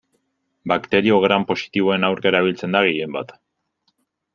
Bakterio Gram positiboen aurka erabiltzen da gehienbat.